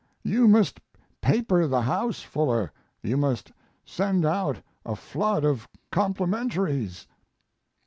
You must paper the house, Fuller. You must send out a flood of complementaries."